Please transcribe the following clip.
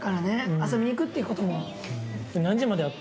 遊びに行くっていうことも。